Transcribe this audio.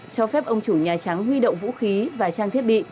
cho phép ông chủ nhà trắng huy động vũ khí và trang thiết bị